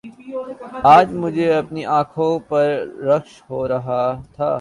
آج مجھے اپنی انکھوں پر رشک ہو رہا تھا